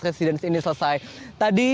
residen sini selesai tadi